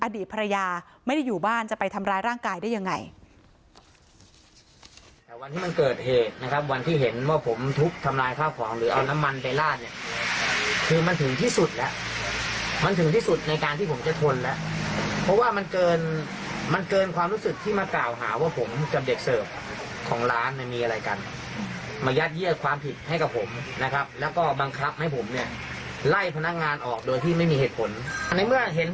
อดีตภรรยาไม่ได้อยู่บ้านจะไปทำร้ายร่างกายได้ยังไง